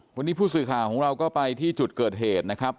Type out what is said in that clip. วันนี้ผู้สื่อข่าวของเราก็ไปที่จุดเกิดเหตุนะครับ